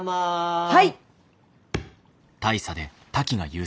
はい！